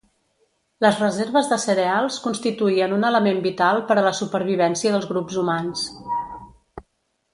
Les reserves de cereals constituïen un element vital per a la supervivència dels grups humans.